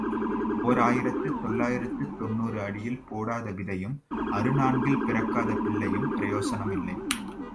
ஓர் ஆயிரத்து தொள்ளாயிரத்து தொன்னூறு ஆடியில் போடாத விதையும் அறுநான்கில் பிறக்காத பிள்ளையும் பிரயோசனம் இல்லை.